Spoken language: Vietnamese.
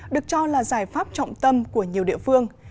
được cho là giải pháp trọng tâm của nhiều địa phương